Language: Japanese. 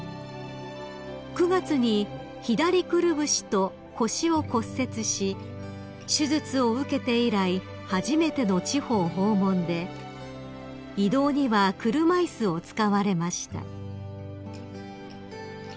［９月に左くるぶしと腰を骨折し手術を受けて以来初めての地方訪問で移動には車椅子を使われました］